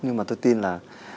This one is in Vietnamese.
nhưng mà tôi tin là